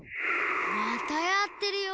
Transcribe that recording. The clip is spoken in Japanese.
またやってるよ。